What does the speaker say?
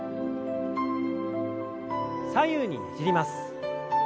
左右にねじります。